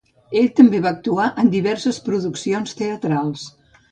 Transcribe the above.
Ell també va actuar en diverses produccions teatrals.